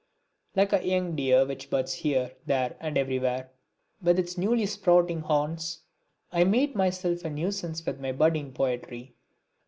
Like a young deer which butts here, there and everywhere with its newly sprouting horns, I made myself a nuisance with my budding poetry.